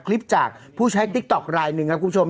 คลิปจากผู้ใช้ติ๊กต๊อกลายหนึ่งครับคุณผู้ชม